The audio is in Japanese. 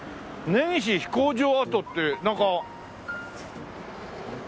「根岸飛行場跡」ってなんか。